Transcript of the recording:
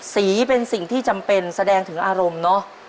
สีเป็นสิ่งที่จำเป็นแสดงถึงอารมณ์เนอะ